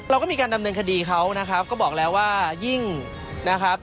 เราก็มีการดำเนินคดีเขานะครับก็บอกแล้วว่ายิ่งนะครับ